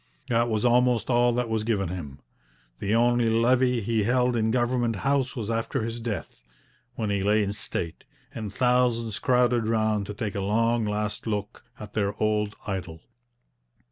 That was almost all that was given him. The only levee he held in Government House was after his death, when he lay in state, and thousands crowded round to take a long last look at their old idol.